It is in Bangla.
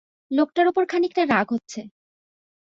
লোকটার ওপর খানিকটা রাগ হচ্ছে।